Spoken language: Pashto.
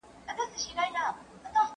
ایا تاسې کومه ناروغي لرئ؟